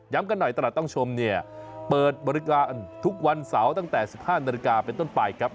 กันหน่อยตลาดต้องชมเนี่ยเปิดบริการทุกวันเสาร์ตั้งแต่๑๕นาฬิกาเป็นต้นไปครับ